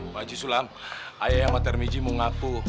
pak haji sulam ayah sama tarmidhi mau ngaku